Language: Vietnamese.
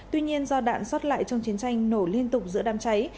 tuy nhiên do đạn xót lại trong chiến tranh nổ liên tục giữa đám cháy